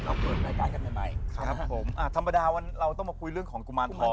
แจ๊คจิลวันนี้เขาสองคนไม่ได้มามูเรื่องกุมาทองอย่างเดียวแต่ว่าจะมาเล่าเรื่องประสบการณ์นะครับ